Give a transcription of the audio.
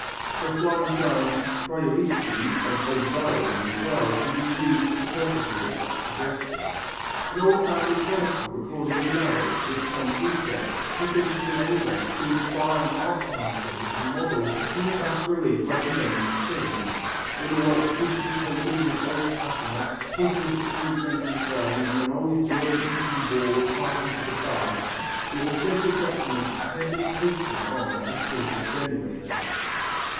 The Florentine "Prioristi" and old diaries can well be used for the purposes of such suggestion. An old family chronicle recorded a marriage with some detail, sufficient at any rate to inspire an art counterfeiter to model a small bas relief representing the scene. When the work was suitably coated with old patina, put into a sixteenth century frame and an old worm eaten board fastened to the back, the authentic document was carefully pasted on as proof of genuineness.